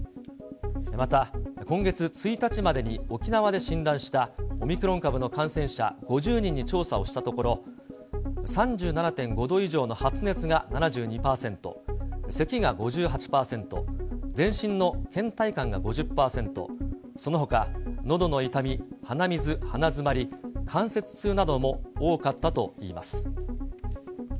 また、今月１日までに沖縄で診断したオミクロン株の感染者５０人に調査をしたところ、３７．５度以上の発熱が７２％、せきが５８％、全身のけん怠感が５０％、そのほか、のどの痛み、鼻水、鼻詰まり、関節痛なども多かったといいます。